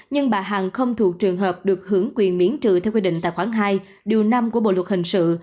nhưng bà hằng không thuộc trường hợp được hưởng quyền miễn trừ theo quy định tài khoản hai điều năm của bộ luật hình sự